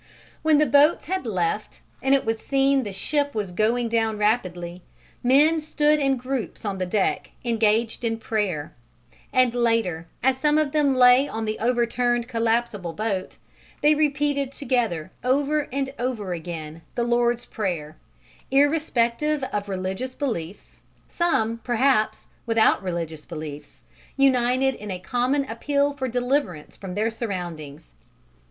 When the boats had left and it was seen the ship was going down rapidly, men stood in groups on the deck engaged in prayer, and later, as some of them lay on the overturned collapsible boat, they repeated together over and over again the Lord's Prayer irrespective of religious beliefs, some, perhaps, without religious beliefs, united in a common appeal for deliverance from their surroundings.